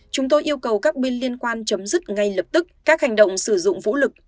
chúng tôi yêu cầu các bên liên quan chấm dứt ngay lập tức các hành động sử dụng vũ lực